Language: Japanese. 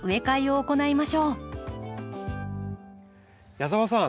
矢澤さん